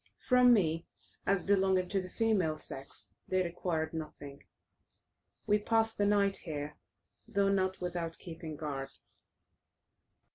From me, as belonging to the female sex, they required nothing. We passed the night here, though not without keeping guard.